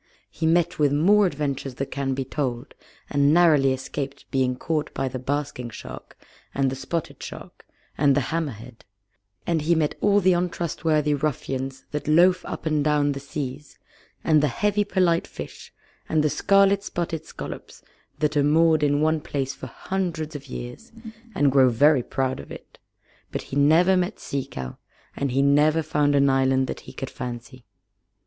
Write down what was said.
He met with more adventures than can be told, and narrowly escaped being caught by the Basking Shark, and the Spotted Shark, and the Hammerhead, and he met all the untrustworthy ruffians that loaf up and down the seas, and the heavy polite fish, and the scarlet spotted scallops that are moored in one place for hundreds of years, and grow very proud of it; but he never met Sea Cow, and he never found an island that he could fancy.